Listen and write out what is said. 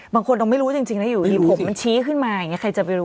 บางคนเราไม่รู้จริงนะอยู่ดีผมมันชี้ขึ้นมาอย่างนี้ใครจะไปรู้